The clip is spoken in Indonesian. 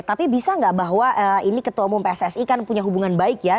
tapi bisa nggak bahwa ini ketua umum pssi kan punya hubungan baik ya